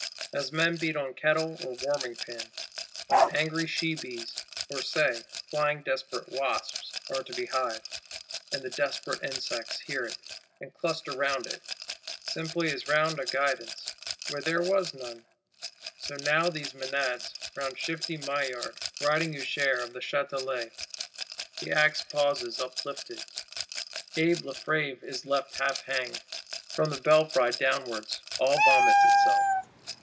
_ As men beat on kettle or warmingpan, when angry she bees, or say, flying desperate wasps, are to be hived; and the desperate insects hear it, and cluster round it,—simply as round a guidance, where there was none: so now these Menads round shifty Maillard, Riding Usher of the Châtelet. The axe pauses uplifted; Abbé Lefevre is left half hanged; from the belfry downwards all vomits itself.